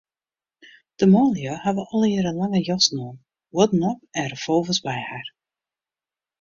De manlju hawwe allegearre lange jassen oan, huodden op en revolvers by har.